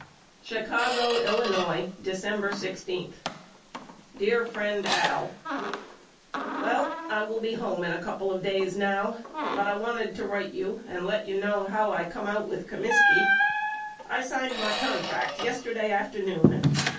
Chicago, Illinois, December 16. DEAR FRIEND AL: Well I will be home in a couple of days now but I wanted to write you and let you know how I come out with Comiskey. I signed my contract yesterday afternoon.